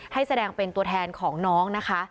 แสดงเป็นตัวแทนของน้องนะคะ